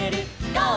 「ゴー！